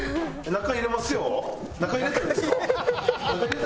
中入れますよ？